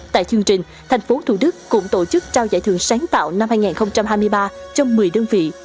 tại chương trình thành phố thủ đức cũng tổ chức trao giải thưởng sáng tạo năm hai nghìn hai mươi ba cho một mươi đơn vị